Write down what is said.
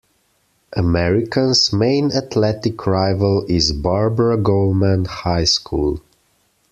American's main athletic rival is Barbara Goleman High School.